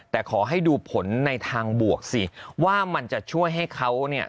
แต่ขอให้ดูผลในทางบวกสิว่ามันจะช่วยให้เขาเนี่ย